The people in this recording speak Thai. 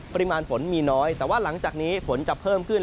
ปริมาณฝนมีน้อยแต่ว่าหลังจากนี้ฝนจะเพิ่มขึ้น